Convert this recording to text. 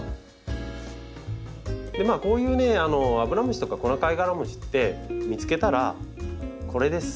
こういうねアブラムシとかコナカイガラムシって見つけたらこれです。